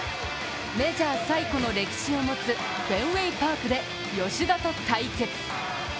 メジャー最古の歴史を持つフェンウェイ・パークで吉田と対決。